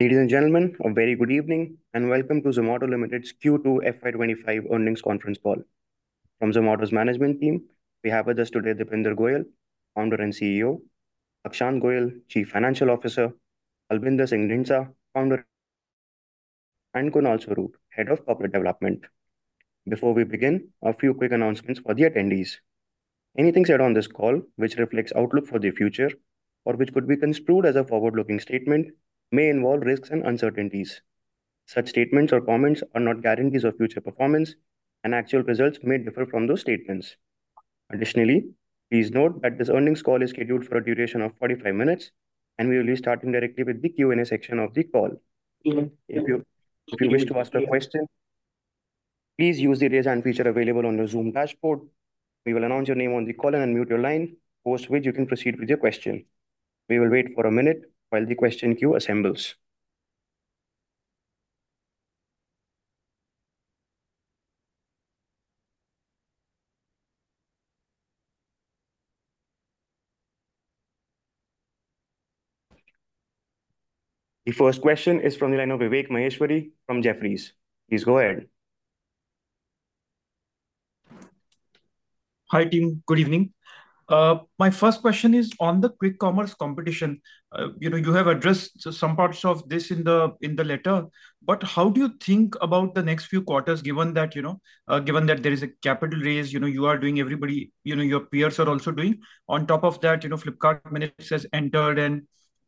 Ladies and gentlemen, a very good evening, and Welcome to the Zomato Limited's Q2 FY2025 Earnings Conference Call. From Zomato's management team, we have with us today Deepinder Goyal, Founder and CEO; Akshant Goyal, Chief Financial Officer; Albinder Dhindsa, Founder; and Kunal Swarup, Head of Corporate Development. Before we begin, a few quick announcements for the attendees. Anything said on this call, which reflects outlook for the future or which could be construed as a forward-looking statement, may involve risks and uncertainties. Such statements or comments are not guarantees of future performance, and actual results may differ from those statements. Additionally, please note that this earnings call is scheduled for a duration of 45 minutes, and we will be starting directly with the Q&A section of the call. If you wish to ask a question, please use the Raise Hand feature available on your Zoom dashboard. We will announce your name on the call and unmute your line, post which you can proceed with your question. We will wait for a minute while the question queue assembles. The first question is from the line of Vivek Maheshwari from Jefferies. Please go ahead. Hi, team. Good evening. My first question is on the quick commerce competition. You know, you have addressed some parts of this in the, in the letter, but how do you think about the next few quarters, given that, you know, given that there is a capital raise, you know, you are doing, everybody, you know, your peers are also doing? On top of that, you know, Flipkart Instamart has entered, and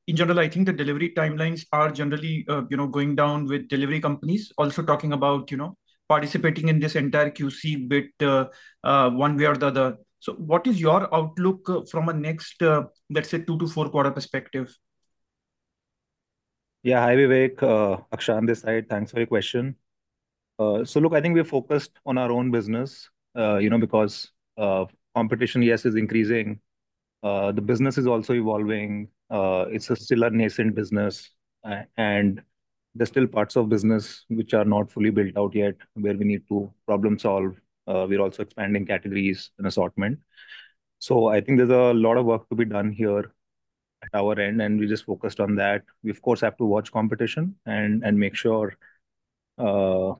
in general, I think the delivery timelines are generally, you know, going down with delivery companies also talking about, you know, participating in this entire QC bit, one way or the other. So what is your outlook from a next, uh, let's say, two-to-four quarter perspective? Yeah. Hi, Vivek, Akshant this side. Thanks for your question. So look, I think we are focused on our own business, you know, because, competition, yes, is increasing, the business is also evolving. It's still a nascent business, and there are still parts of business which are not fully built out yet, where we need to problem solve. We're also expanding categories and assortment. So I think there's a lot of work to be done here at our end, and we're just focused on that. We, of course, have to watch competition and make sure, I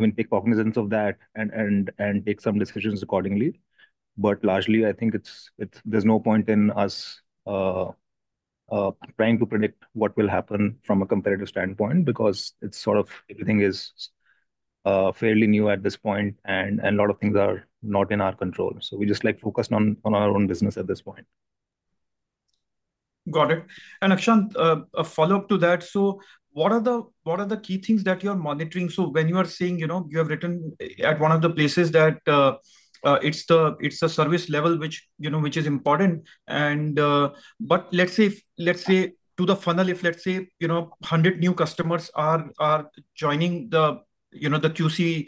mean, take cognizance of that and take some decisions accordingly. But largely, I think it's there's no point in us trying to predict what will happen from a competitive standpoint because it's sort of everything is fairly new at this point and a lot of things are not in our control. So we just, like, focused on our own business at this point. Got it. And Akshant, a follow-up to that, so what are the key things that you are monitoring? So when you are saying, you know, you have written at one of the places that it's the service level which, you know, which is important, and. But let's say to the funnel, if hundred new customers are joining the, you know, the QC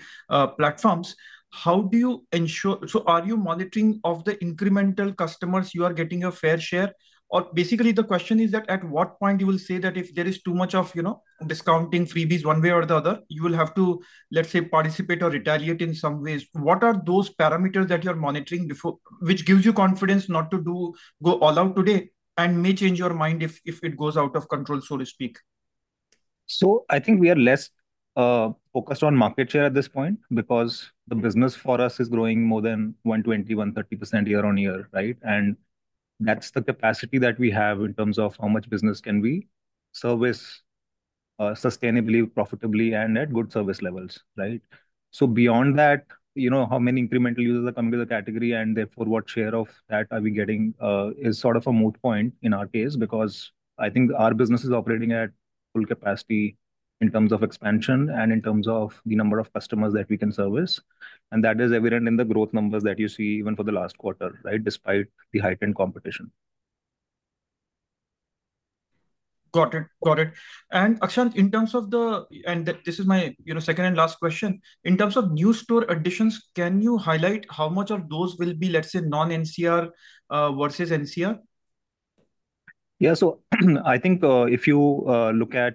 platforms, how do you ensure. So are you monitoring of the incremental customers you are getting a fair share? Or basically, the question is that at what point you will say that if there is too much of, you know, discounting freebies one way or the other, you will have to, let's say, participate or retaliate in some ways. What are those parameters that you're monitoring before, which gives you confidence not to go all out today and may change your mind if it goes out of control, so to speak? So I think we are less focused on market share at this point because the business for us is growing more than 120%-130% year-on-year, right? And that's the capacity that we have in terms of how much business can we service sustainably, profitably, and at good service levels, right? So beyond that, you know, how many incremental users are coming to the category, and therefore, what share of that are we getting is sort of a moot point in our case. Because I think our business is operating at full capacity in terms of expansion and in terms of the number of customers that we can service, and that is evident in the growth numbers that you see even for the last quarter, right, despite the heightened competition. Got it. Got it. Akshant, in terms of the, and this is my, you know, second and last question. In terms of new store additions, can you highlight how much of those will be, let's say, non-NCR versus NCR? Yeah. So, I think, if you look at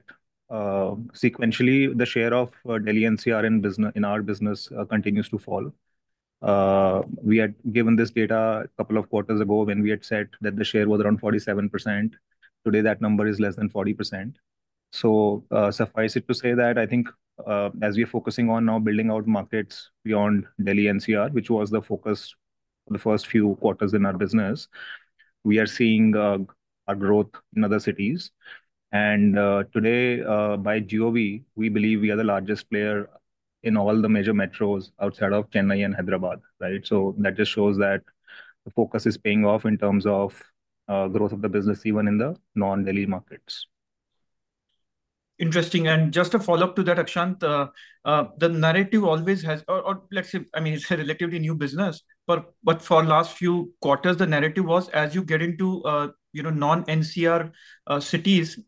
sequentially, the share of Delhi NCR in business, in our business, continues to fall. We had given this data a couple of quarters ago when we had said that the share was around 47%. Today, that number is less than 40%. So, suffice it to say that I think, as we're focusing on now building out markets beyond Delhi NCR, which was the focus for the first few quarters in our business, we are seeing a growth in other cities. And, today, by GOV, we believe we are the largest player in all the major metros outside of Chennai and Hyderabad, right? So that just shows that the focus is paying off in terms of growth of the business, even in the non-Delhi markets. Interesting. And just a follow-up to that, Akshant. The narrative always has... or let's say, I mean, it's a relatively new business, but for last few quarters, the narrative was, as you get into, you know, non-NCR, cities,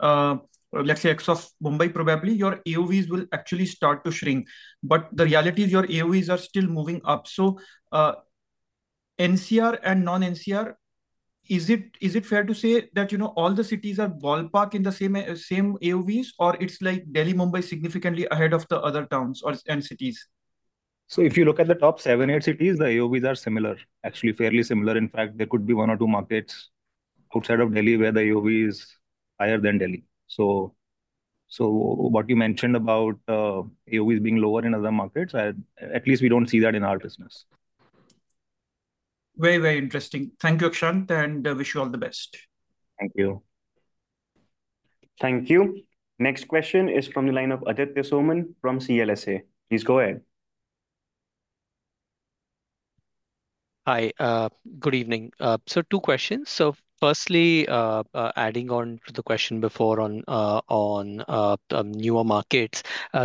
let's say, except Mumbai, probably, your AOVs will actually start to shrink. But the reality is your AOVs are still moving up. So, NCR and non-NCR, is it fair to say that, you know, all the cities are ballpark in the same AOVs, or it's like Delhi, Mumbai, significantly ahead of the other towns or and cities? So if you look at the top seven, eight cities, the AOV are similar, actually fairly similar. In fact, there could be one or two markets outside of Delhi where the AOV is higher than Delhi. So what you mentioned about AOV being lower in other markets, at least we don't see that in our business. Very, very interesting. Thank you, Akshant, and wish you all the best. Thank you. Thank you. Next question is from the line of Aditya Soman from CLSA. Please go ahead. Hi, good evening. Two questions. Firstly, adding on to the question before on newer markets,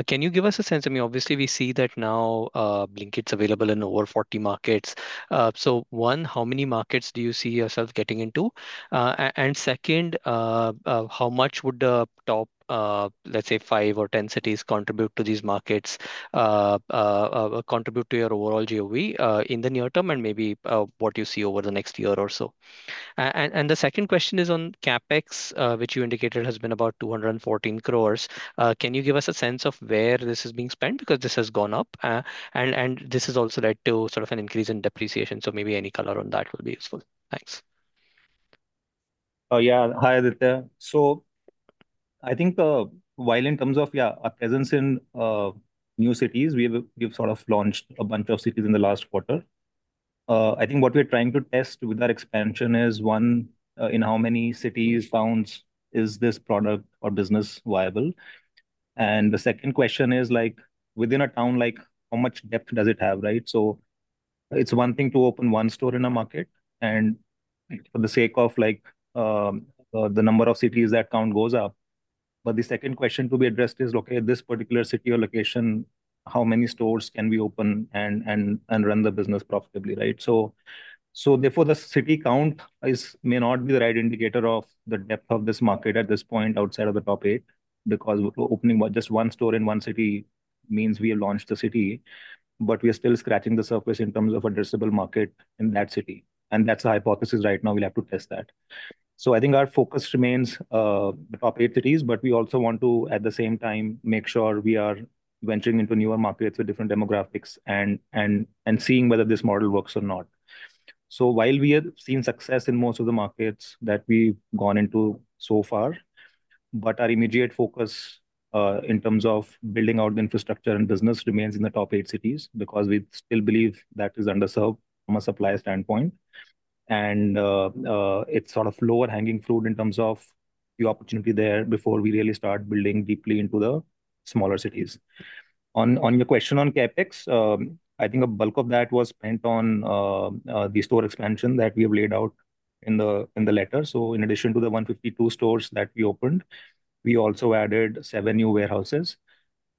can you give us a sense, I mean, obviously we see that now, Blinkit's available in over 40 markets. So one, how many markets do you see yourself getting into? And second, how much would the top, let's say, five or 10 cities contribute to your overall GOV in the near term, and maybe what you see over the next year or so? And the second question is on CapEx, which you indicated has been about 214 crores. Can you give us a sense of where this is being spent? Because this has gone up, and this has also led to sort of an increase in depreciation. So maybe any color on that will be useful. Thanks. Yeah. Hi, Aditya. So I think, while in terms of, yeah, our presence in new cities, we've sort of launched a bunch of cities in the last quarter. I think what we're trying to test with that expansion is, one, in how many cities, towns is this product or business viable? And the second question is, like, within a town, like, how much depth does it have, right? So it's one thing to open one store in a market, and for the sake of, like, the number of cities, that count goes up. But the second question to be addressed is, okay, this particular city or location, how many stores can we open and run the business profitably, right? So, therefore, the city count is, may not be the right indicator of the depth of this market at this point outside of the top eight, because opening just one store in one city means we have launched the city, but we are still scratching the surface in terms of addressable market in that city, and that's the hypothesis right now. We'll have to test that. So I think our focus remains, the top eight cities, but we also want to, at the same time, make sure we are venturing into newer markets with different demographics and seeing whether this model works or not. So while we have seen success in most of the markets that we've gone into so far, but our immediate focus in terms of building out the infrastructure and business remains in the top eight cities, because we still believe that is underserved from a supply standpoint. And it's sort of lower-hanging fruit in terms of the opportunity there before we really start building deeply into the smaller cities. On your question on CapEx, I think a bulk of that was spent on the store expansion that we have laid out in the letter. So in addition to the 152 stores that we opened, we also added seven new warehouses,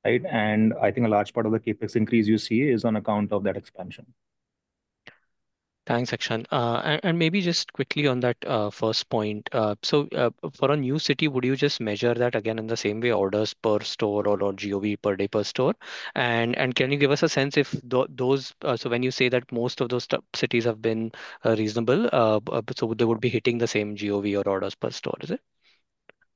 right? And I think a large part of the CapEx increase you see is on account of that expansion. Thanks, Akshant. And maybe just quickly on that first point. So, for a new city, would you just measure that again in the same way, orders per store or GOV per day per store? And can you give us a sense if those cities have been reasonable, so they would be hitting the same GOV or orders per store, is it?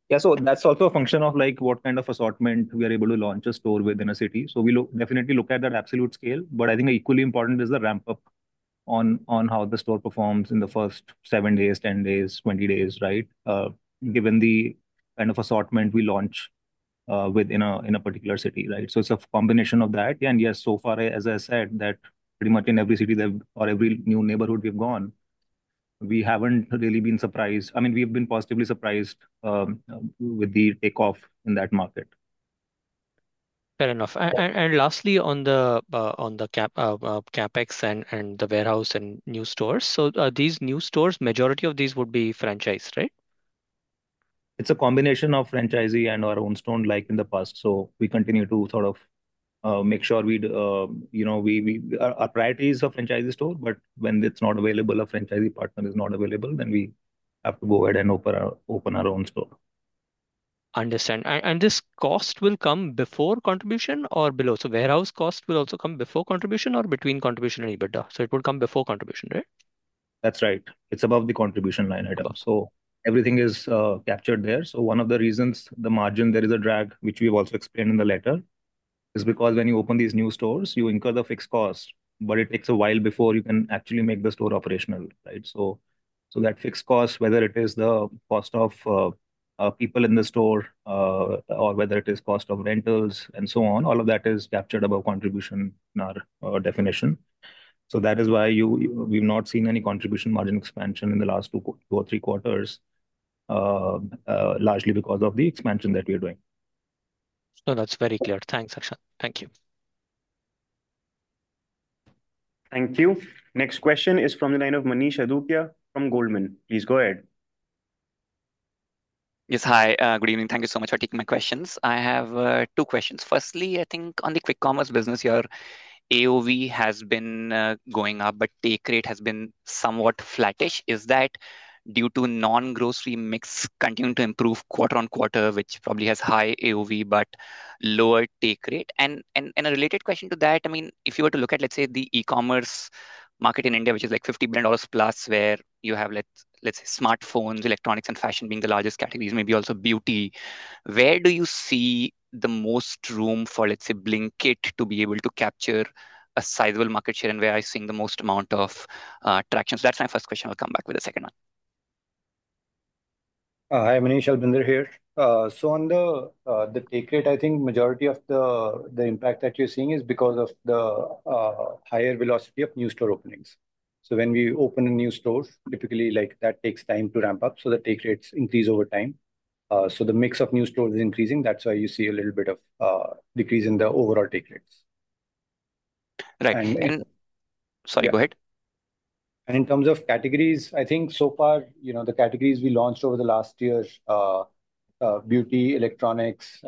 Yeah, so that's also a function of, like, what kind of assortment we are able to launch a store within a city. So we definitely look at the absolute scale, but I think equally important is the ramp up on how the store performs in the first seven days, 10 days, 20 days, right? Given the kind of assortment we launch within a particular city, right? So it's a combination of that. And yes, so far, as I said, that's pretty much in every city or every new neighborhood we've gone, we haven't really been surprised. I mean, we've been positively surprised with the takeoff in that market. Fair enough, and lastly, on the CapEx and the warehouse and new stores, so these new stores, majority of these would be franchised, right? It's a combination of franchisee and our own store, like in the past. So we continue to sort of make sure we'd, you know, we. Our priority is a franchisee store, but when it's not available, a franchisee partner is not available, then we have to go ahead and open our own store. Understand. And this cost will come before contribution or below? So warehouse cost will also come before contribution or between contribution and EBITDA, so it will come before contribution, right? That's right. It's above the contribution line item, so everything is captured there. So one of the reasons the margin there is a drag, which we've also explained in the letter, is because when you open these new stores, you incur the fixed cost, but it takes a while before you can actually make the store operational, right? So that fixed cost, whether it is the cost of people in the store, or whether it is cost of rentals and so on, all of that is captured above contribution in our definition. So that is why you... we've not seen any contribution margin expansion in the last two or three quarters, largely because of the expansion that we are doing. No, that's very clear. Thanks, Akshant. Thank you. Thank you. Next question is from the line of Manish Adukia from Goldman. Please go ahead. Yes. Hi, good evening. Thank you so much for taking my questions. I have two questions. Firstly, I think on the quick commerce business, your AOV has been going up, but take rate has been somewhat flattish. Is that due to non-grocery mix continuing to improve quarter-on-quarter, which probably has high AOV, but lower take rate. And a related question to that, I mean, if you were to look at, let's say, the e-commerce market in India, which is, like, $50 billion plus, where you have, let's say, smartphones, electronics, and fashion being the largest categories, maybe also beauty, where do you see the most room for, let's say, Blinkit to be able to capture a sizable market share, and where are you seeing the most amount of traction? That's my first question. I'll come back with the second one. Hi, Manish. Albinder here. So on the take rate, I think majority of the impact that you're seeing is because of the higher velocity of new store openings. So when we open a new stores, typically, like, that takes time to ramp up, so the take rates increase over time. So the mix of new stores is increasing, that's why you see a little bit of decrease in the overall take rates. Right, and- Sorry, go ahead. In terms of categories, I think so far, you know, the categories we launched over the last year, beauty, electronics,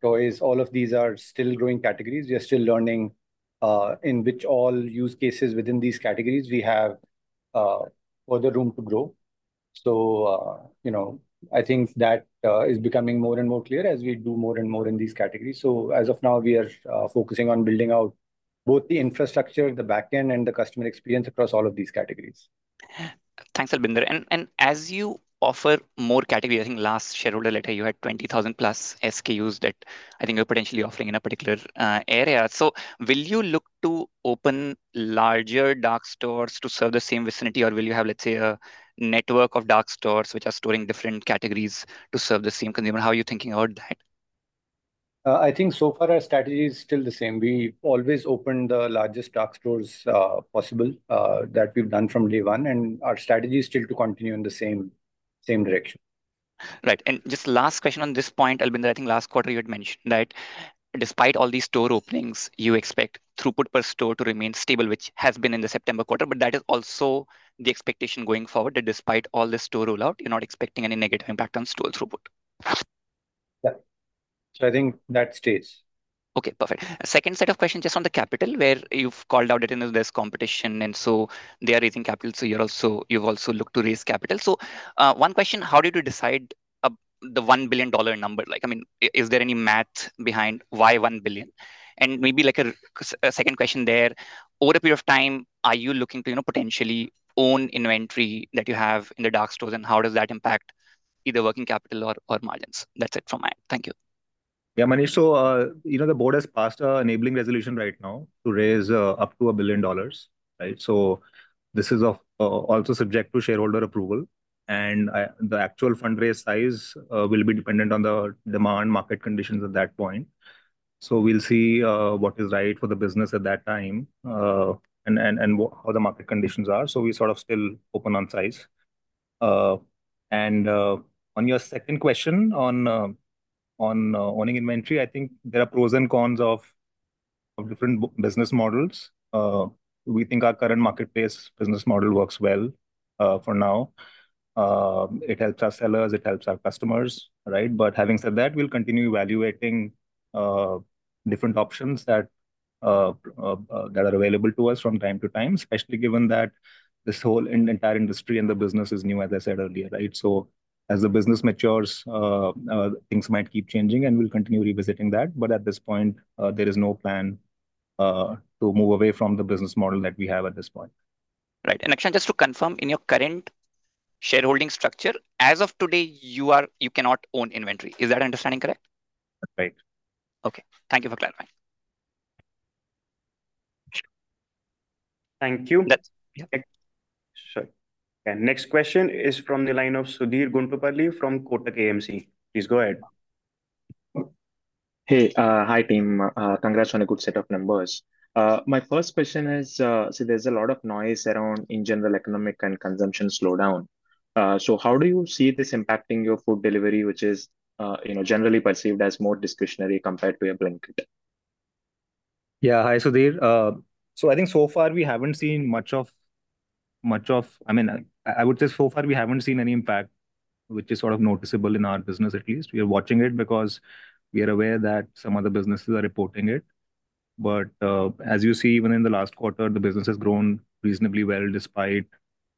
toys, all of these are still growing categories. We are still learning in which all use cases within these categories we have further room to grow. So, you know, I think that is becoming more and more clear as we do more and more in these categories. So as of now, we are focusing on building out both the infrastructure, the back end, and the customer experience across all of these categories. Thanks, Albinder. And as you offer more category, I think last shareholder letter, you had 20,000+ SKUs that I think you're potentially offering in a particular area. So will you look to open larger dark stores to serve the same vicinity? Or will you have, let's say, a network of dark stores which are storing different categories to serve the same consumer? How are you thinking about that? I think so far our strategy is still the same. We always open the largest dark stores possible that we've done from day one, and our strategy is still to continue in the same direction. Right, and just last question on this point, Albinder. I think last quarter you had mentioned that despite all these store openings, you expect throughput per store to remain stable, which has been in the September quarter, but that is also the expectation going forward, that despite all this store rollout, you're not expecting any negative impact on store throughput. Yeah. So I think that stays. Okay, perfect. Second set of questions, just on the capital, where you've called out that there is less competition, and so they are raising capital, so you're also you've also looked to raise capital. So, one question, how did you decide the $1 billion number? Like, I mean, is there any math behind why $1 billion? And maybe, like, a second question there: Over a period of time, are you looking to, you know, potentially own inventory that you have in the dark stores, and how does that impact either working capital or margins? That's it from my end. Thank you. Yeah, Manish. So, you know, the board has passed an enabling resolution right now to raise up to $1 billion, right? So this is of also subject to shareholder approval, and the actual fundraise size will be dependent on the demand market conditions at that point. So we'll see what is right for the business at that time, and what, how the market conditions are. So we sort of still open on size. And on your second question on owning inventory, I think there are pros and cons of different business models. We think our current marketplace business model works well for now. It helps our sellers, it helps our customers, right? But having said that, we'll continue evaluating different options that are available to us from time to time, especially given that this whole entire industry and the business is new, as I said earlier, right? So as the business matures, things might keep changing, and we'll continue revisiting that. But at this point, there is no plan to move away from the business model that we have at this point. Right. And actually, just to confirm, in your current shareholding structure, as of today, you are... you cannot own inventory. Is that understanding correct? Right. Okay. Thank you for clarifying. Thank you. And next question is from the line of Sudheer Guntupalli from Kotak AMC. Please go ahead. Hey. Hi, team. Congrats on a good set of numbers. My first question is, so there's a lot of noise around, in general, economic and consumption slowdown. So how do you see this impacting your food delivery, which is, you know, generally perceived as more discretionary compared to your Blinkit? Yeah. Hi, Sudheer, so I think so far we haven't seen much of, I mean, I would say so far we haven't seen any impact which is sort of noticeable in our business, at least. We are watching it because we are aware that some other businesses are reporting it, but as you see, even in the last quarter, the business has grown reasonably well, despite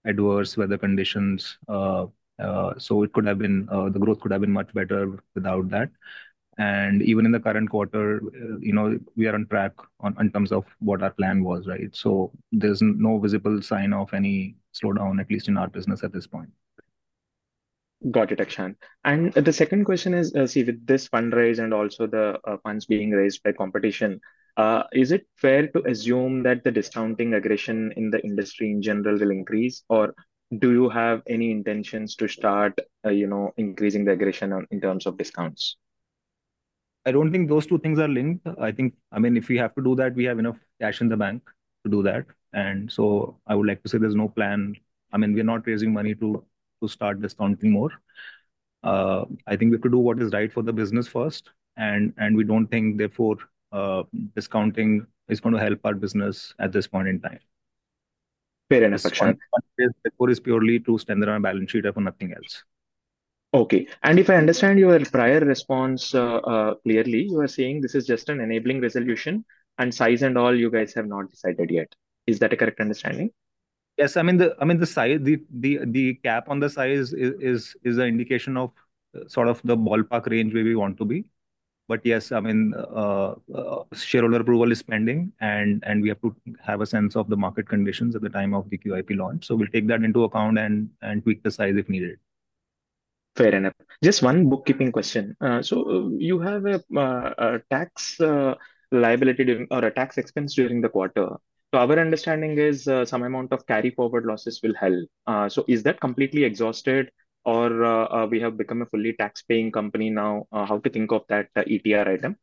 adverse weather conditions, so it could have been the growth could have been much better without that, and even in the current quarter, you know, we are on track in terms of what our plan was, right, so there's no visible sign of any slowdown, at least in our business at this point. Got it, Akshant. And the second question is, see, with this fundraise and also the, funds being raised by competition, is it fair to assume that the discounting aggression in the industry in general will increase, or do you have any intentions to start, you know, increasing the aggression in terms of discounts? I don't think those two things are linked. I think, I mean, if we have to do that, we have enough cash in the bank to do that. And so I would like to say there's no plan. I mean, we're not raising money to start discounting more. I think we have to do what is right for the business first, and we don't think therefore discounting is going to help our business at this point in time. Fair enough, Akshant. Therefore, it's purely to strengthen our balance sheet up and nothing else. Okay. And if I understand your prior response, clearly, you are saying this is just an enabling resolution, and size and all you guys have not decided yet. Is that a correct understanding? Yes. I mean, the size, the cap on the size is an indication of sort of the ballpark range where we want to be. But yes, I mean, shareholder approval is pending, and we have to have a sense of the market conditions at the time of the QIP launch. So we'll take that into account and tweak the size if needed. Fair enough. Just one bookkeeping question. So you have a tax liability during, or a tax expense during the quarter. So our understanding is some amount of carry forward losses will help. So is that completely exhausted, or we have become a fully tax-paying company now? How to think of that, the ETR item?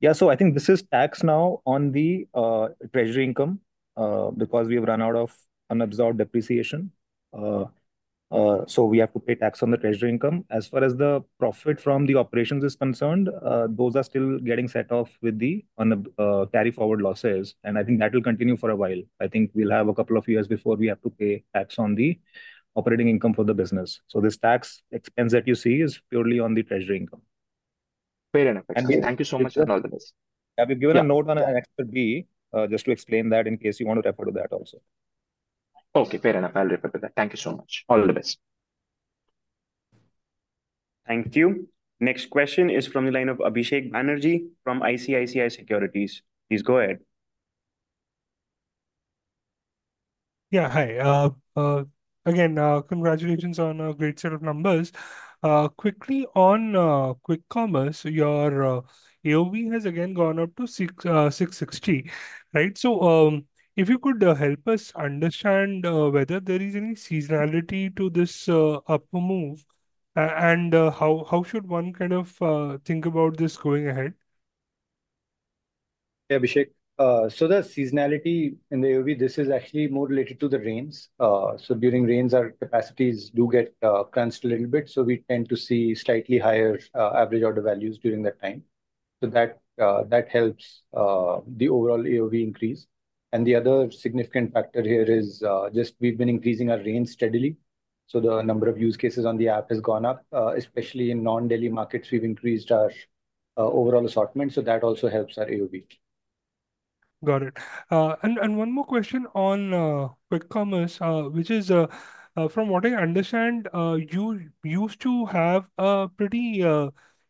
Yeah, so I think this is tax now on the treasury income, because we've run out of unabsorbed depreciation. So we have to pay tax on the treasury income. As far as the profit from the operations is concerned, those are still getting set off with the carry forward losses, and I think that will continue for a while. I think we'll have a couple of years before we have to pay tax on the operating income for the business. So this tax expense that you see is purely on the treasury income. Fair enough. And we- Thank you so much, and all the best. I have given a note on an Exhibit B, just to explain that, in case you want to refer to that also. Okay, fair enough, I'll refer to that. Thank you so much. All the best. Thank you. Next question is from the line of Abhishek Banerjee from ICICI Securities. Please go ahead. Yeah, hi. Again, congratulations on a great set of numbers. Quickly on quick commerce, your AOV has again gone up to 660, right? So, if you could help us understand whether there is any seasonality to this upward move, and how should one kind of think about this going ahead? Yeah, Abhishek. So the seasonality in the AOV, this is actually more related to the rains. So during rains, our capacities do get cleansed a little bit, so we tend to see slightly higher average order values during that time. So that that helps the overall AOV increase. And the other significant factor here is just we've been increasing our range steadily, so the number of use cases on the app has gone up. Especially in non-Delhi markets, we've increased our overall assortment, so that also helps our AOV. Got it. And one more question on quick commerce, which is, from what I understand, you used to have a pretty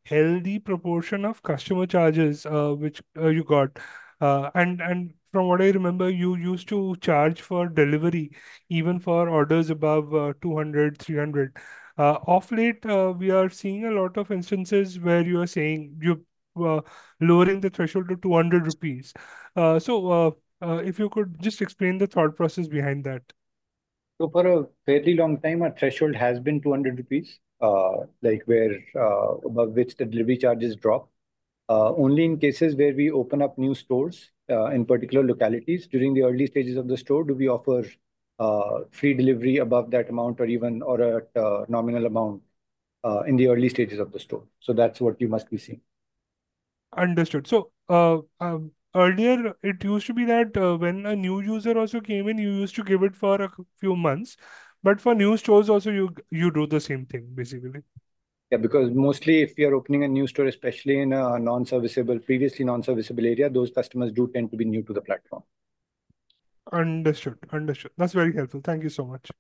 healthy proportion of customer charges, which you got. And from what I remember, you used to charge for delivery, even for orders above 200, 300. Of late, we are seeing a lot of instances where you are saying you're lowering the threshold to INR 200. So, if you could just explain the thought process behind that. For a very long time, our threshold has been 200 rupees, like, where above which the delivery charges drop. Only in cases where we open up new stores in particular localities, during the early stages of the store do we offer free delivery above that amount or even, or at nominal amount in the early stages of the store. So that's what you must be seeing. Understood. So, earlier it used to be that, when a new user also came in, you used to give it for a few months, but for new stores also, you do the same thing, basically? Yeah, because mostly if you are opening a new store, especially in a non-serviceable, previously non-serviceable area, those customers do tend to be new to the platform. Understood. Understood. That's very helpful. Thank you so much.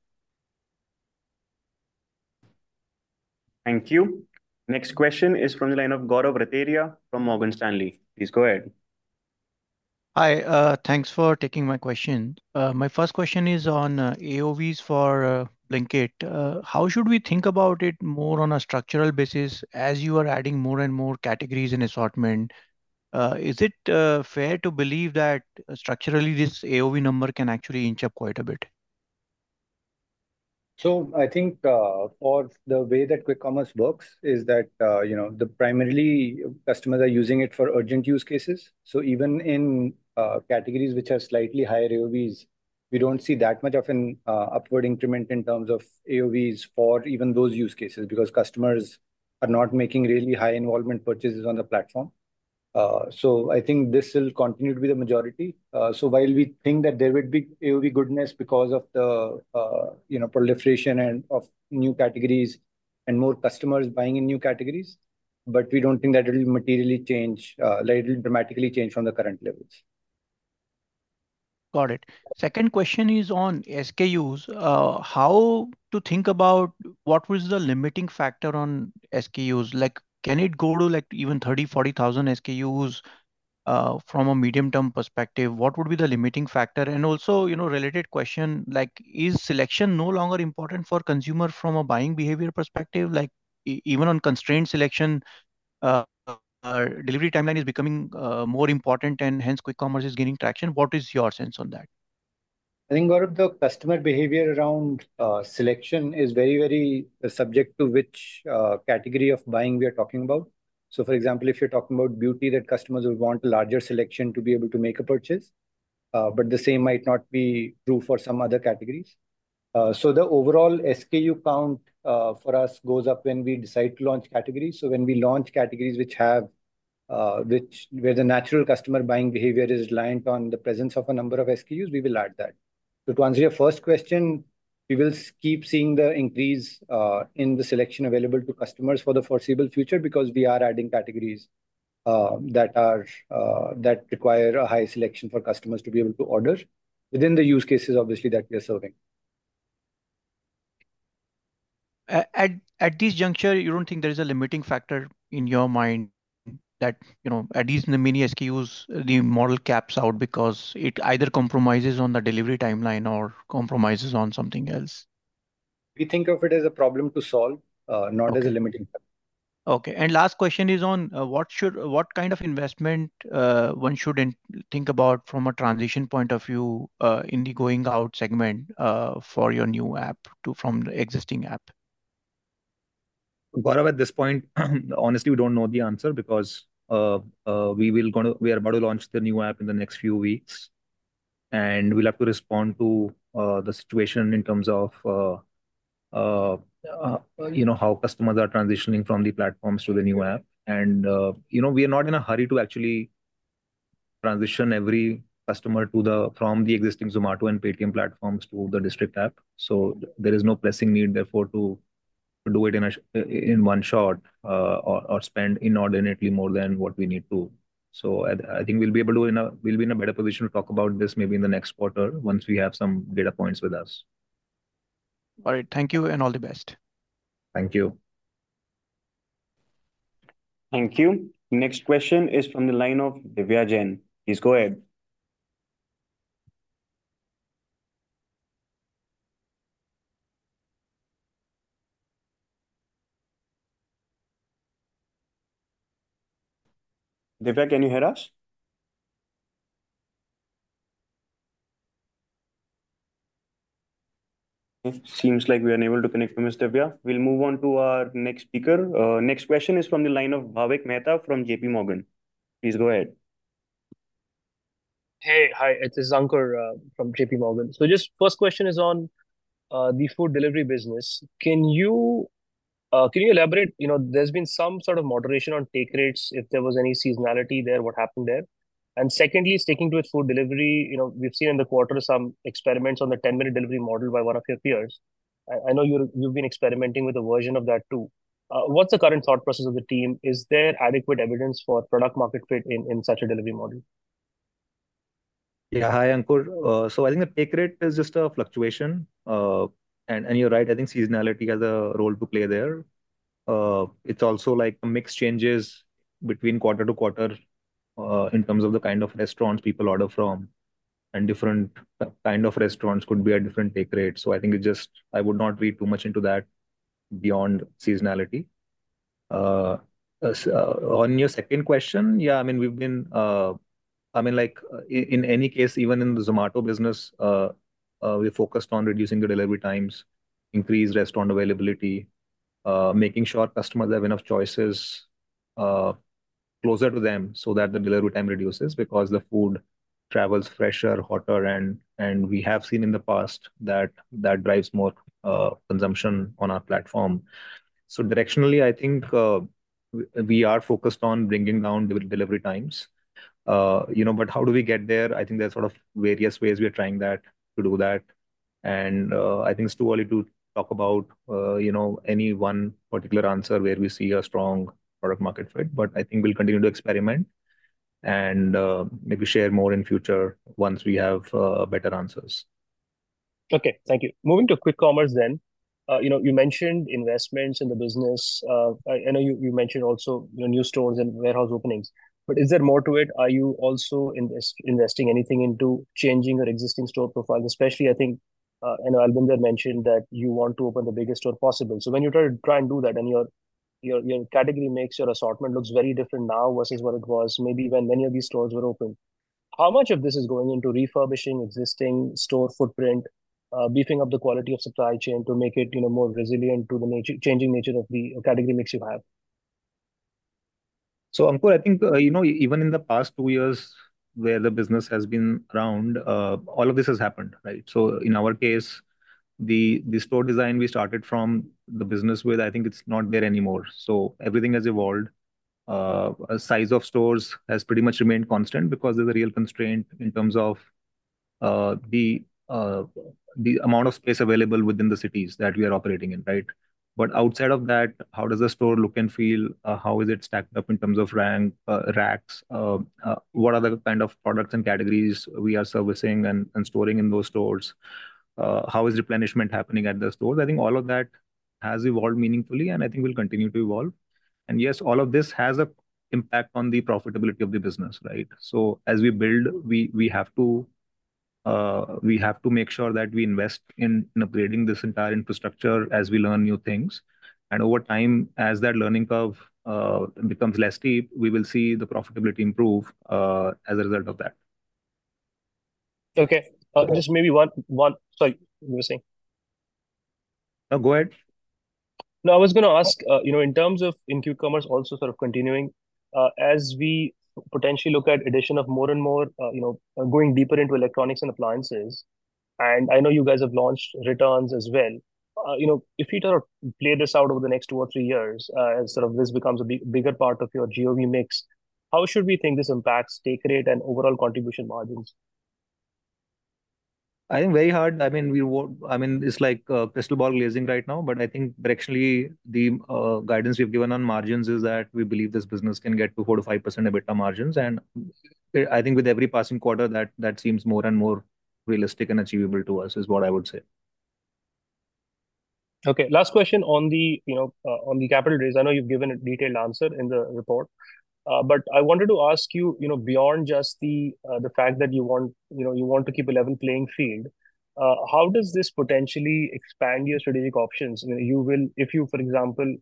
Thank you. Next question is from the line of Gaurav Rateria from Morgan Stanley. Please go ahead. Hi. Thanks for taking my question. My first question is on AOVs for Blinkit. How should we think about it more on a structural basis as you are adding more and more categories and assortment? Is it fair to believe that structurally, this AOV number can actually inch up quite a bit? I think for the way that quick commerce works is that, you know, the primary customers are using it for urgent use cases. Even in categories which have slightly higher AOVs, we don't see that much of an upward increment in terms of AOVs for even those use cases, because customers are not making really high involvement purchases on the platform. I think this will continue to be the majority. While we think that there would be AOV goodness because of the, you know, proliferation of new categories and more customers buying in new categories, but we don't think that it'll materially change, like, it'll dramatically change from the current levels. Got it. Second question is on SKUs. How to think about what was the limiting factor on SKUs? Like, can it go to, like, 30,000, 40,000 SKUs, from a medium-term perspective, what would be the limiting factor? And also, you know, related question, like, is selection no longer important for consumer from a buying behavior perspective? Like, even on constrained selection, delivery timeline is becoming more important, and hence, quick commerce is gaining traction. What is your sense on that? I think, Gaurav, the customer behavior around selection is very, very subject to which category of buying we are talking about. So for example, if you're talking about beauty, that customers would want a larger selection to be able to make a purchase. But the same might not be true for some other categories. So the overall SKU count for us goes up when we decide to launch categories. So when we launch categories which have- ... which, where the natural customer buying behavior is reliant on the presence of a number of SKUs, we will add that. So to answer your first question, we will keep seeing the increase in the selection available to customers for the foreseeable future, because we are adding categories that require a high selection for customers to be able to order within the use cases, obviously, that we are serving. At this juncture, you don't think there is a limiting factor in your mind that, you know, at least in the mini SKUs, the model caps out because it either compromises on the delivery timeline or compromises on something else? We think of it as a problem to solve, not as a limiting factor. Okay. And last question is on what kind of investment one should think about from a transition point of view, in the going out segment, for your new app to from the existing app? Gaurav, at this point, honestly, we don't know the answer because we are about to launch the new app in the next few weeks, and we'll have to respond to the situation in terms of, you know, how customers are transitioning from the platforms to the new app. You know, we are not in a hurry to actually transition every customer from the existing Zomato and Paytm platforms to the District app. So there is no pressing need, therefore, to do it in one shot, or spend inordinately more than what we need to. So I think we'll be able to, we'll be in a better position to talk about this maybe in the next quarter, once we have some data points with us. All right. Thank you, and all the best. Thank you. Thank you. Next question is from the line of Divya Jain. Please go ahead. Divya, can you hear us? It seems like we are unable to connect to Ms. Divya. We'll move on to our next speaker. Next question is from the line of Bhavik Mehta from JPMorgan. Please go ahead. Hey. Hi, it is Ankur from JPMorgan. So just first question is on the food delivery business. Can you elaborate? You know, there's been some sort of moderation on take rates. If there was any seasonality there, what happened there? And secondly, sticking to the food delivery, you know, we've seen in the quarter some experiments on the ten-minute delivery model by one of your peers. I know you, you've been experimenting with a version of that, too. What's the current thought process of the team? Is there adequate evidence for product market fit in such a delivery model? Yeah. Hi, Ankur, so I think the take rate is just a fluctuation. And you're right, I think seasonality has a role to play there. It's also, like, mix changes between quarter to quarter, in terms of the kind of restaurants people order from, and different kind of restaurants could be at different take rates. So I think it just, I would not read too much into that beyond seasonality. On your second question, yeah, I mean, we've been, I mean, like, in any case, even in the Eternal business, we're focused on reducing the delivery times, increase restaurant availability, making sure customers have enough choices, closer to them so that the delivery time reduces because the food travels fresher, hotter and we have seen in the past that that drives more consumption on our platform. So directionally, I think, we are focused on bringing down the delivery times. You know, but how do we get there? I think there are sort of various ways we are trying that, to do that. And I think it's too early to talk about, you know, any one particular answer where we see a strong product market fit. But I think we'll continue to experiment and, maybe share more in future once we have, better answers. Okay, thank you. Moving to quick commerce then. You know, you mentioned investments in the business. I know you mentioned also your new stores and warehouse openings, but is there more to it? Are you also investing anything into changing your existing store profile? Especially, I think, I know Albinder mentioned that you want to open the biggest store possible. So when you try and do that, and your category makes your assortment looks very different now versus what it was maybe when many of these stores were opened, how much of this is going into refurbishing existing store footprint, beefing up the quality of supply chain to make it, you know, more resilient to the changing nature of the category mix you have? So, Ankur, I think, you know, even in the past two years, where the business has been around, all of this has happened, right? So in our case, the store design we started from the business with, I think it's not there anymore. So everything has evolved. Size of stores has pretty much remained constant because of the real constraint in terms of, the amount of space available within the cities that we are operating in, right? But outside of that, how does the store look and feel? How is it stacked up in terms of rank, racks? What are the kind of products and categories we are servicing and storing in those stores? How is replenishment happening at the stores? I think all of that has evolved meaningfully, and I think will continue to evolve. Yes, all of this has an impact on the profitability of the business, right? As we build, we have to make sure that we invest in upgrading this entire infrastructure as we learn new things. Over time, as that learning curve becomes less steep, we will see the profitability improve as a result of that. Okay. Just maybe one, sorry, you were saying? No, go ahead. No, I was gonna ask, you know, in terms of in quick commerce, also sort of continuing, as we potentially look at addition of more and more, you know, going deeper into electronics and appliances, and I know you guys have launched returns as well. You know, if you sort of play this out over the next two or three years, and sort of this becomes a big, bigger part of your GOV mix, how should we think this impacts take rate and overall contribution margins? I think very hard. I mean, it's like crystal ball gazing right now, but I think directionally the guidance we've given on margins is that we believe this business can get to 4%-5% EBITDA margins. I think with every passing quarter, that seems more and more realistic and achievable to us, is what I would say. Okay, last question on the, you know, on the capital raise. I know you've given a detailed answer in the report, but I wanted to ask you, you know, beyond just the, the fact that you want, you know, you want to keep a level playing field, how does this potentially expand your strategic options? You know, you will, if you, for example,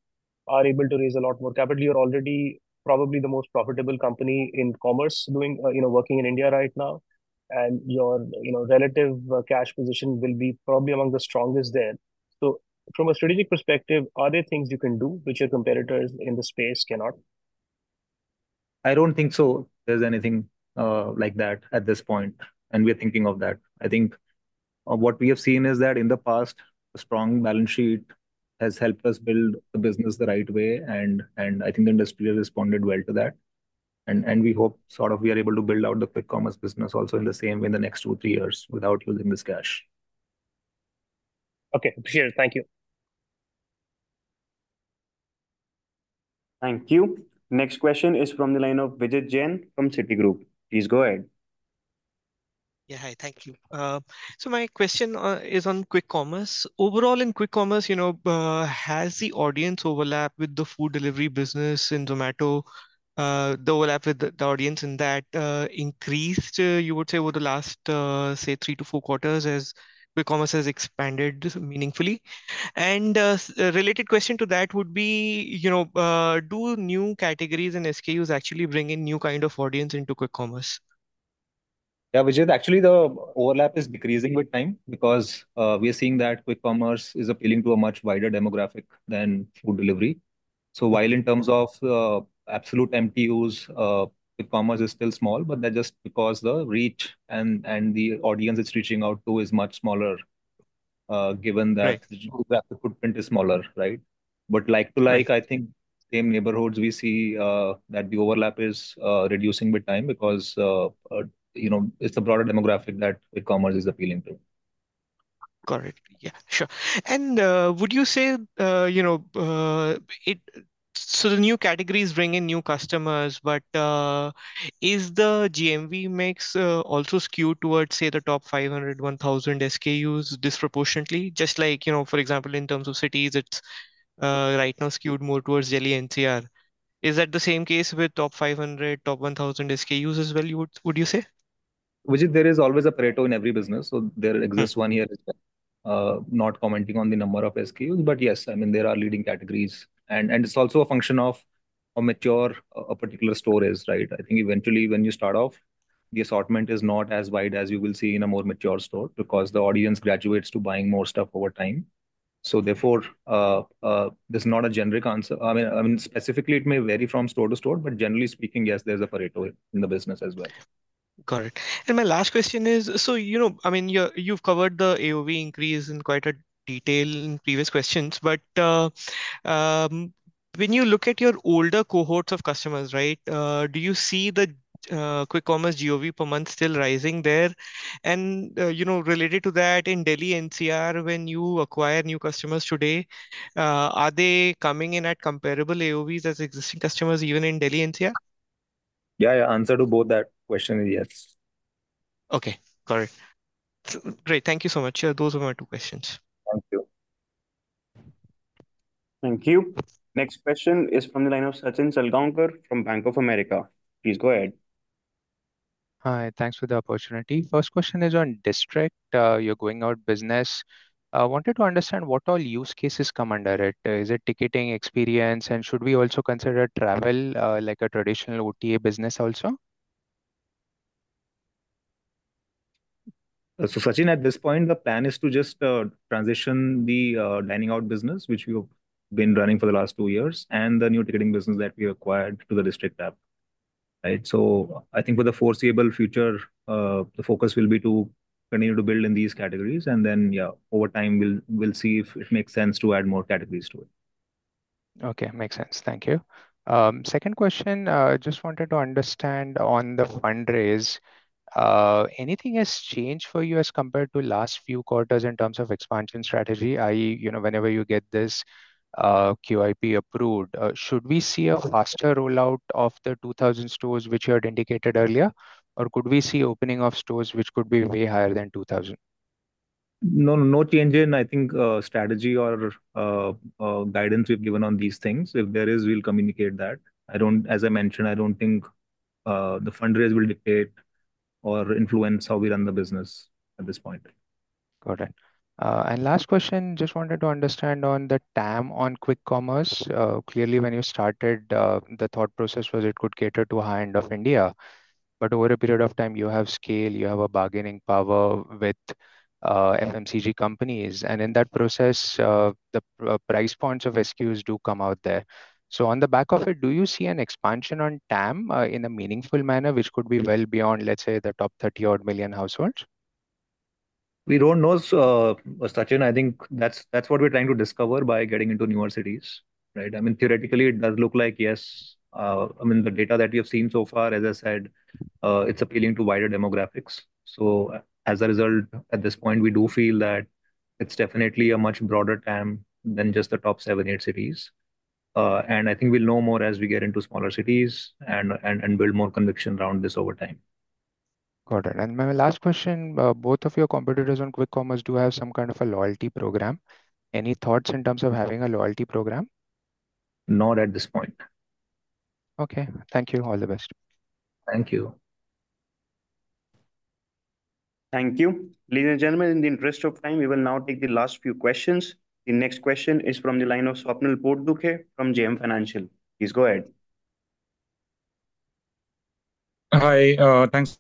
are able to raise a lot more capital, you're already probably the most profitable company in commerce doing, you know, working in India right now, and your, you know, relative, cash position will be probably among the strongest there. So from a strategic perspective, are there things you can do which your competitors in the space cannot? I don't think so. There's anything like that at this point, and we're thinking of that. I think what we have seen is that in the past, a strong balance sheet has helped us build the business the right way, and I think the industry has responded well to that, and we hope sort of we are able to build out the quick commerce business also in the same way in the next two, three years without using this cash. Okay, appreciate it. Thank you. Thank you. Next question is from the line of Vijit Jain from Citigroup. Please go ahead. Yeah. Hi. Thank you. So my question is on quick commerce. Overall in quick commerce, you know, has the audience overlap with the food delivery business in Zomato, the overlap with the audience in that, increased, you would say, over the last, say, three to four quarters as quick commerce has expanded meaningfully? And, a related question to that would be, you know, do new categories and SKUs actually bring in new kind of audience into quick commerce? Yeah, Vijit, actually, the overlap is decreasing with time because we are seeing that quick commerce is appealing to a much wider demographic than food delivery. So while in terms of absolute MTUs, quick commerce is still small, but that's just because the reach and the audience it's reaching out to is much smaller, given that- The footprint is smaller, right? But like to like, I think same neighborhoods, we see that the overlap is reducing with time because, you know, it's a broader demographic that quick commerce is appealing to. Got it. Yeah, sure. And, would you say, you know, so the new categories bring in new customers, but, is the GMV makes also skewed towards, say, the top 500, 1,000 SKUs disproportionately, just like, you know, for example, in terms of cities, it's right now skewed more towards Delhi NCR. Is that the same case with top 500, 1,000 SKUs as well, would you say? Vijit, there is always a Pareto in every business, so there exists one here. Not commenting on the number of SKUs, but yes, I mean, there are leading categories, and it's also a function of how mature a particular store is, right? I think eventually when you start off, the assortment is not as wide as you will see in a more mature store because the audience graduates to buying more stuff over time. So therefore, there's not a generic answer. I mean, specifically, it may vary from store to store, but generally speaking, yes, there's a Pareto in the business as well. Got it. And my last question is, so, you know, I mean, you're, you've covered the AOV increase in quite a detail in previous questions, but, when you look at your older cohorts of customers, right, do you see the quick commerce GOV per month still rising there? And, you know, related to that, in Delhi NCR, when you acquire new customers today, are they coming in at comparable AOVs as existing customers, even in Delhi NCR? Yeah, yeah. Answer to both that question is yes. Okay. Got it. Great. Thank you so much. Yeah, those were my two questions. Thank you. Thank you. Next question is from the line of Sachin Salgaonkar from Bank of America. Please go ahead. Hi, thanks for the opportunity. First question is on District, your going-out business. I wanted to understand what all use cases come under it. Is it ticketing experience? And should we also consider travel, like a traditional OTA business also? So, Sachin, at this point, the plan is to just transition the dining out business, which we've been running for the last two years, and the new ticketing business that we acquired to the District app. Right. So I think for the foreseeable future, the focus will be to continue to build in these categories, and then, yeah, over time, we'll see if it makes sense to add more categories to it. Okay, makes sense. Thank you. Second question, just wanted to understand on the fundraise, anything has changed for you as compared to last few quarters in terms of expansion strategy, i.e., you know, whenever you get this QIP approved, should we see a faster rollout of the 2,000 stores which you had indicated earlier? Or could we see opening of stores which could be way higher than 2,000? No, no change in, I think, strategy or, guidance we've given on these things. If there is, we'll communicate that. I don't, as I mentioned, I don't think, the fundraise will dictate or influence how we run the business at this point. Got it. And last question, just wanted to understand on the TAM on quick commerce. Clearly, when you started, the thought process was it could cater to a high end of India. But over a period of time, you have scale, you have a bargaining power with FMCG companies, and in that process, the price points of SKUs do come out there. So on the back of it, do you see an expansion on TAM in a meaningful manner, which could be well beyond, let's say, the top 30-odd million households? We don't know, so, Sachin, I think that's what we're trying to discover by getting into new cities, right? I mean, theoretically, it does look like, yes, I mean, the data that we have seen so far, as I said, it's appealing to wider demographics. So as a result, at this point, we do feel that it's definitely a much broader TAM than just the top seven, eight cities. And I think we'll know more as we get into smaller cities and build more conviction around this over time. Got it. My last question, both of your competitors on quick commerce do have some kind of a loyalty program. Any thoughts in terms of having a loyalty program? Not at this point. Okay. Thank you. All the best. Thank you. Thank you. Ladies and gentlemen, in the interest of time, we will now take the last few questions. The next question is from the line of Swapnil Potdukhe from JM Financial. Please go ahead. Hi, thanks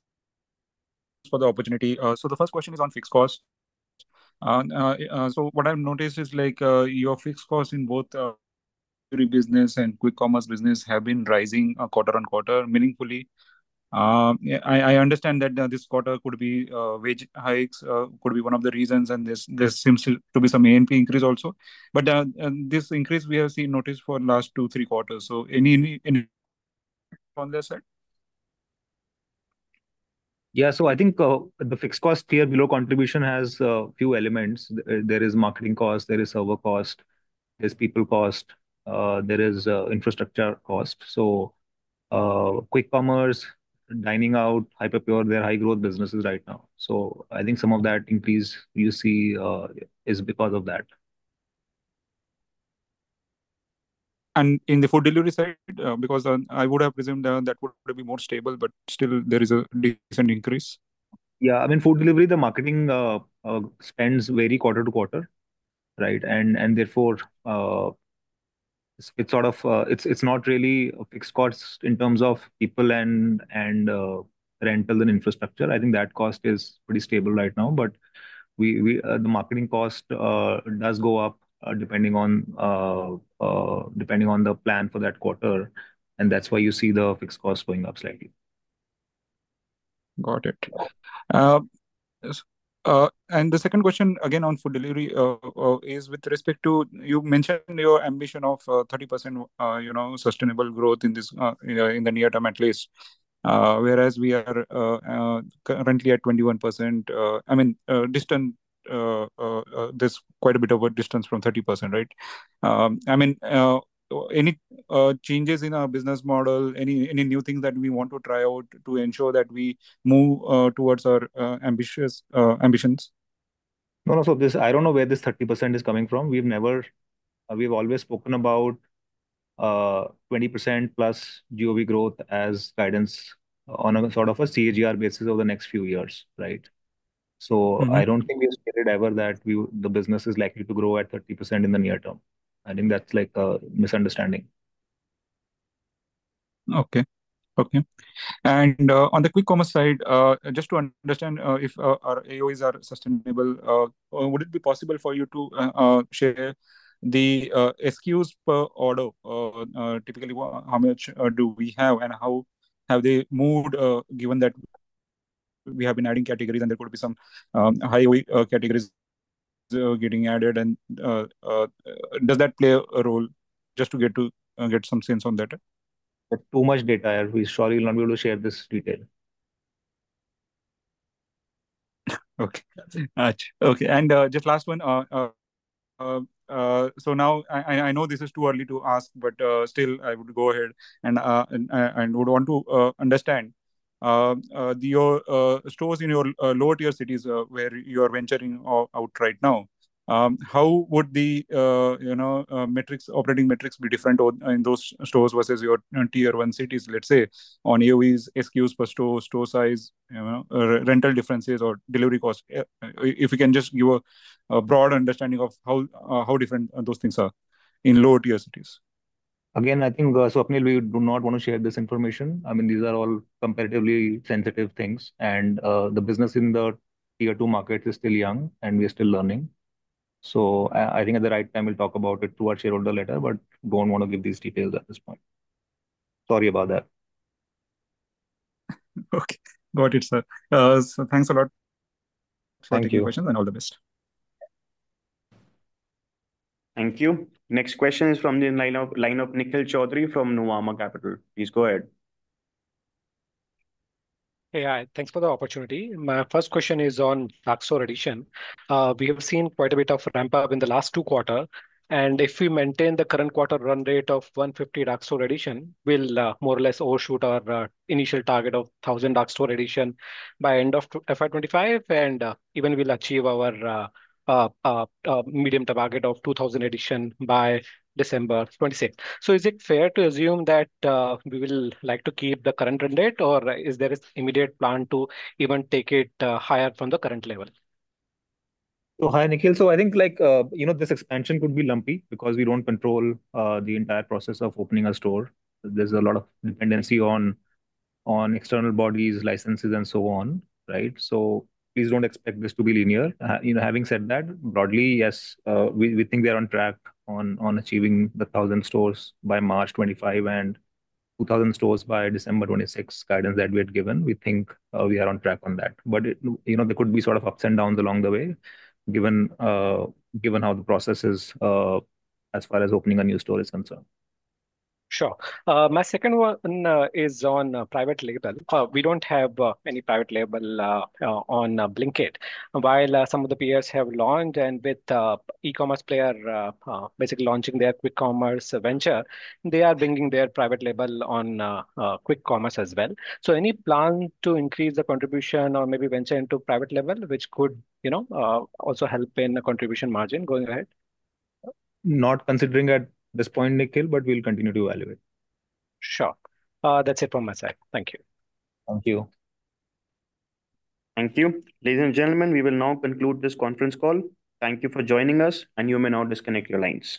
for the opportunity. So the first question is on fixed costs. So what I've noticed is, like, your fixed costs in both delivery business and quick commerce business have been rising quarter-on-quarter meaningfully. Yeah, I understand that this quarter wage hikes could be one of the reasons, and there seems to be some ad spend increase also. But and this increase we have noticed for last two, three quarters, so any on this end? Yeah. So I think the fixed cost tier below contribution has few elements. There is marketing cost, there is server cost, there's people cost, there is infrastructure cost. So quick commerce, dining out, Hyperpure, they're high growth businesses right now. So I think some of that increase you see is because of that. In the food delivery side, because I would have presumed that that would be more stable, but still there is a decent increase. Yeah. I mean, food delivery, the marketing spends vary quarter to quarter, right? And therefore, it's sort of, it's not really a fixed cost in terms of people and rental and infrastructure. I think that cost is pretty stable right now. But we, the marketing cost does go up depending on the plan for that quarter, and that's why you see the fixed cost going up slightly. Got it, and the second question, again, on food delivery, is with respect to, you mentioned your ambition of 30%, you know, sustainable growth in this, you know, in the near term at least. Whereas we are currently at 21%, I mean, there's quite a bit of a distance from 30%, right? I mean, any changes in our business model, any new things that we want to try out to ensure that we move towards our ambitious ambitions? No, so this, I don't know where this 30% is coming from. We've never, we've always spoken about, 20%+ GOV growth as guidance on a sort of a CAGR basis over the next few years, right? So I don't think we expected ever that we, the business is likely to grow at 30% in the near term. I think that's, like, a misunderstanding. Okay. On the quick commerce side, just to understand if our AOVs are sustainable, would it be possible for you to share the SKUs per order? Typically, how much do we have, and how have they moved, given that we have been adding categories and there could be some high weight categories getting added? And does that play a role, just to get some sense on that? That's too much data. We surely will not be able to share this detail. Okay. Okay, and just last one. So now I know this is too early to ask, but still, I would go ahead and would want to understand your stores in your lower tier cities, where you are venturing out right now, how would the, you know, metrics, operating metrics be different in those stores versus your tier one cities, let's say, on AOVs, SKUs per store, store size, you know, rental differences or delivery costs? If you can just give a broad understanding of how different those things are in lower tier cities. Again, I think, Swapnil, we do not want to share this information. I mean, these are all competitively sensitive things, and, the business in the tier two markets is still young, and we are still learning. So I think at the right time, we'll talk about it through our shareholder letter, but don't want to give these details at this point. Sorry about that. Okay. Got it, sir. So thanks a lot. Thank you for your questions, and all the best. Thank you. Next question is from the line of Nikhil Choudhary from Nuvama Capital. Please go ahead. Hey, hi. Thanks for the opportunity. My first question is on Dark Store addition. We have seen quite a bit of ramp up in the last two quarters, and if we maintain the current quarter run rate of 150 Dark Store addition, we'll more or less overshoot our initial target of 1,000 Dark Store addition by end of FY2025, and even we'll achieve our medium target of 2,000 addition by December 2026. So is it fair to assume that we will like to keep the current run rate, or is there an immediate plan to even take it higher from the current level? So hi, Nikhil. So I think, like, you know, this expansion could be lumpy because we don't control the entire process of opening a store. There's a lot of dependency on external bodies, licenses, and so on, right? So please don't expect this to be linear. You know, having said that, broadly, yes, we think we are on track on achieving the 1,000 stores by March 2025 and 2,000 stores by December 2026 guidance that we had given. We think we are on track on that. But it, you know, there could be sort of ups and downs along the way, given how the process is, as far as opening a new store is concerned. Sure. My second one is on private label. We don't have any private label on Blinkit, while some of the peers have launched and with e-commerce player basically launching their quick commerce venture, they are bringing their private label on quick commerce as well. So any plan to increase the contribution or maybe venture into private label, which could, you know, also help in the contribution margin going ahead? Not considering at this point, Nikhil, but we'll continue to evaluate. Sure. That's it from my side. Thank you. Thank you. Thank you. Ladies and gentlemen, we will now conclude this conference call. Thank you for joining us, and you may now disconnect your lines.